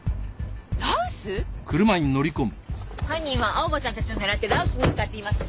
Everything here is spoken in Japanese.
犯人は青葉ちゃんたちを狙って羅臼に向かっています。